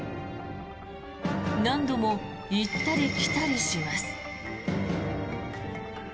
何度も行ったり来たりします。